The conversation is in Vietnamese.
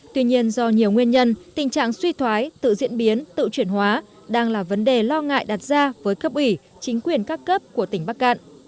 tuy nhiên do nhiều nguyên nhân tình trạng suy thoái tự diễn biến tự chuyển hóa đang là vấn đề lo ngại đặt ra với cấp ủy chính quyền các cấp của tỉnh bắc cạn